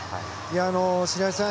白井さん